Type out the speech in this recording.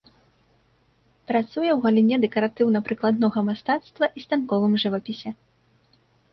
Працуе ў галіне дэкаратыўна-прыкладнога мастацтва і станковым жывапісе.